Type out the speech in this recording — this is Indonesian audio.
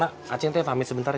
mak aku mau pamit sebentar